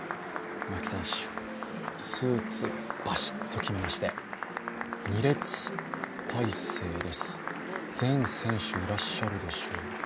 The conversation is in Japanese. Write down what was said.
牧選手、スーツ、バシッと決めまして２列態勢です、全選手いらっしゃるでしょうか。